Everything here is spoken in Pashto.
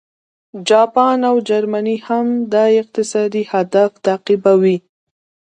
جاپان او جرمني هم دا اقتصادي هدف تعقیبوي